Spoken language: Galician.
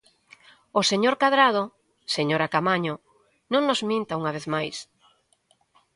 O señor Cadrado, señora Caamaño; non nos minta unha vez máis.